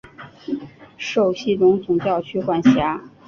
受西隆总教区管辖。